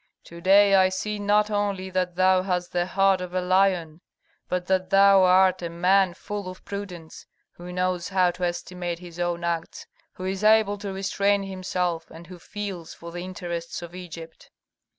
To day I see not only that thou hast the heart of a lion, but that thou art a man full of prudence, who knows how to estimate his own acts, who is able to restrain himself, and who feels for the interests of Egypt."